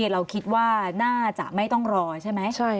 เราคิดว่าน่าจะไม่ต้องรอใช่ไหม